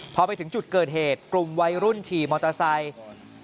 พอไปถึงจุดเกิดเหตุกลุ่มวัยรุ่นขี่มอเตอร์ไซค์